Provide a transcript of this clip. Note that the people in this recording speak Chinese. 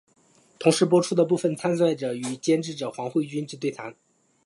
同时播出部分参赛者与监制黄慧君之对谈。